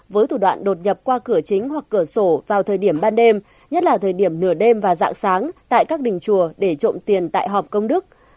với thủ đoạn đột nhập qua cửa chính hoặc cửa sổ vào thời điểm ban đêm nhất là thời điểm nửa đêm và dạng sáng tại các đình chùa để trộm tiền tại họp công đức